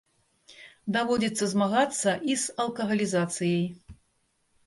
Даводзіцца змагацца і з алкагалізацыяй.